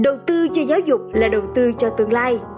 đầu tư cho giáo dục là đầu tư cho tương lai